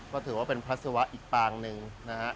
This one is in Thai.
ก็ถือว่าเป็นพระศิวะอีกปางนึงนะครับ